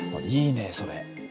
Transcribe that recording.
いいねそれ。